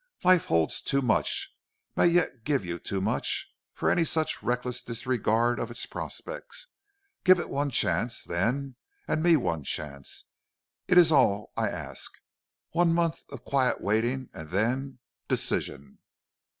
Life holds too much, may yet give you too much, for any such reckless disregard of its prospects. Give it one chance, then, and me one chance it is all I ask. One month of quiet waiting and then decision.'